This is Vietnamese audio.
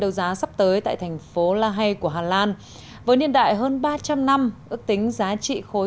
đấu giá sắp tới tại thành phố la hay của hà lan với niên đại hơn ba trăm linh năm ước tính giá trị khối